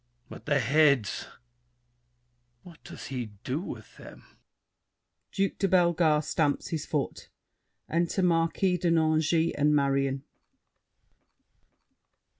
But the heads; what does he do With them? [Duke de Bellegarde stamps his foot. Enter Marquis de Nangis and Marion.